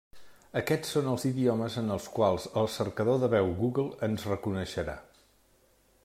Aquests són els idiomes en els quals el cercador de veu Google ens reconeixerà.